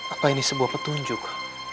apa ini sebuah petunjuk